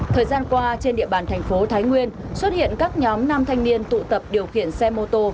thời gian qua trên địa bàn thành phố thái nguyên xuất hiện các nhóm nam thanh niên tụ tập điều khiển xe mô tô